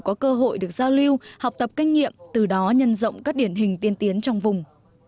có cơ hội được giao lưu học tập kinh nghiệm từ đó nhân rộng các điển hình tiên tiến trong vùng